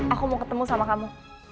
aku mau ketemu sama kamu